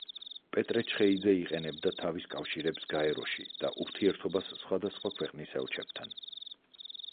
პეტრე ჩხეიძე იყენებდა თავის კავშირებს გაეროში და ურთიერთობას სხვადასხვა ქვეყნის ელჩებთან.